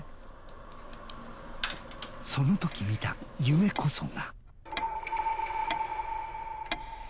そのとき見た夢こそが。